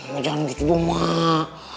mak jangan begitu dong mak